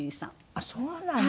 ああそうなの？